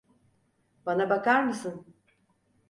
Bana bakar mısın?